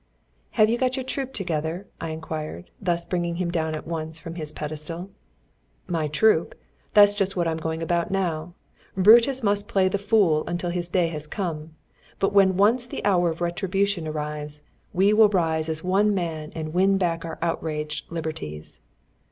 "Have you got your troupe together?" I inquired, thus bringing him down at once from his pedestal. "My troupe? That's just what I am going about now. Brutus must play the fool until his day has come. But when once the hour of retribution arrives, we will rise as one man and win back our outraged liberties."